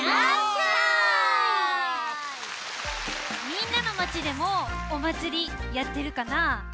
みんなのまちでもおまつりやってるかな？